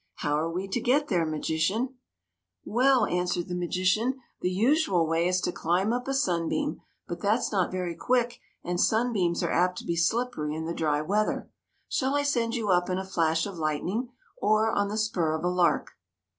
How are we to get there, magician ?'' Well," answered the magician, '' the usual way is to climb up a sunbeam, but that 's not very quick and sunbeams are apt to be slippery in the dry weather. Shall I send you up in a flash of lightning or on the spur of a lark